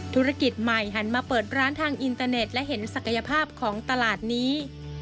ธุรกิจใหม่หันมาเปิดร้านทางอินเตอร์เน็ตและเห็นศักยภาพของตลาดนี้